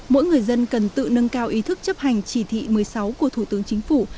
mỗi người dân cần tự nâng cao ý thức chấp hành chỉ thị một mươi sáu của thủ tướng chính phủ